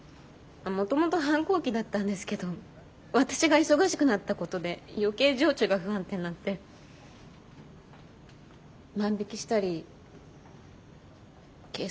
もともと反抗期だったんですけど私が忙しくなったことで余計情緒が不安定になって万引きしたり警察に補導されたり。